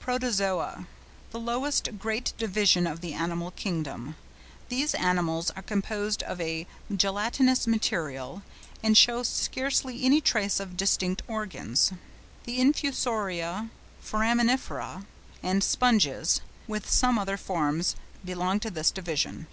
PROTOZOA.—The lowest great division of the animal kingdom. These animals are composed of a gelatinous material, and show scarcely any trace of distinct organs. The Infusoria, Foraminifera, and sponges, with some other forms, belong to this division.